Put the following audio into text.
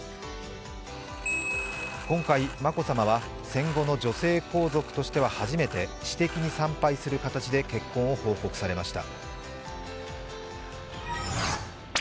今回、眞子さまは戦後の女性皇族としては初めて私的に参拝する形で結婚を報告されました。